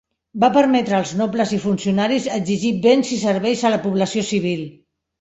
Va permetre als nobles i funcionaris exigir béns i serveis a la població civil.